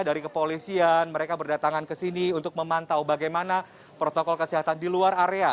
dari kepolisian mereka berdatangan ke sini untuk memantau bagaimana protokol kesehatan di luar area